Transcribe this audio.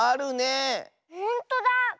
ほんとだ。